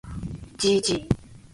gg